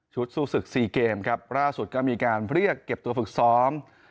สู้ศึก๔เกมครับล่าสุดก็มีการเรียกเก็บตัวฝึกซ้อม